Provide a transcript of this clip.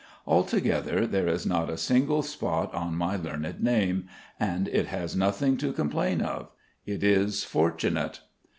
Altogether there is not a single spot on my learned name, and it has nothing to complain of. It is fortunate.